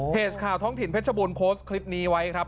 ข่าวท้องถิ่นเพชรบูรณ์โพสต์คลิปนี้ไว้ครับ